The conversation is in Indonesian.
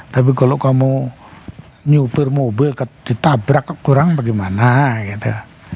tapi kalau kamu nyupir mobil ditabrak kurang bagaimana gitu